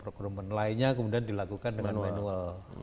recrument lainnya kemudian dilakukan dengan manual